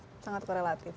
iya sangat korelatif